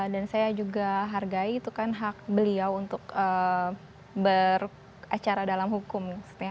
dan saya juga hargai itu kan hak beliau untuk beracara dalam hukum